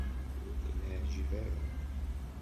Ur ken-iɛejjeb ara.